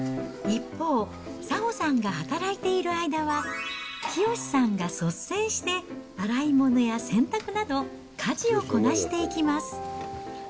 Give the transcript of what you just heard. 一方、早穂さんが働いている間は、清さんが率先して、洗い物や洗濯など、家事をこなしていきます。